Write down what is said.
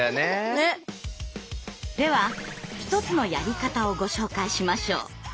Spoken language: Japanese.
では一つのやり方をご紹介しましょう。